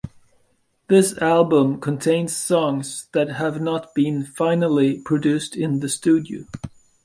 This album contains songs that have not been finally produced in the studio.